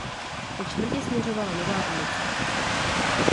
Ke čtvrti směřovala "Nová ulice".